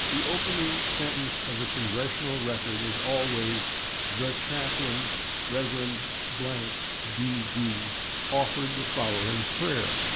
The opening sentence of the /Congressional Record/ is always: "The Chaplain, /Rev./ , D.D., offered the following prayer."